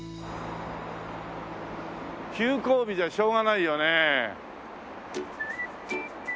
休校日じゃしょうがないよねえ。